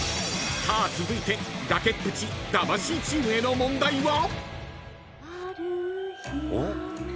［さあ続いて崖っぷち魂チームへの問題は？］